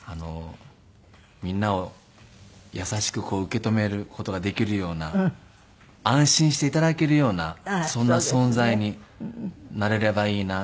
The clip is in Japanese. みんなを優しく受け止める事ができるような安心して頂けるようなそんな存在になれればいいなって。